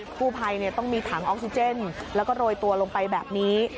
กู้ภัยต้องมีถังออกซิเจนแล้วก็โรยตัวลงไปแบบนี้